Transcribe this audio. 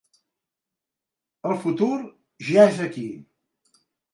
El futur ja és aquí.